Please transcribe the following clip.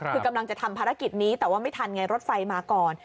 คือกำลังจะทำภารกิจนี้แต่ว่าไม่ทันไงรถไฟมาก่อน